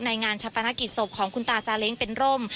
งานชะปนกิจศพของคุณตาซาเล้งเป็นร่ม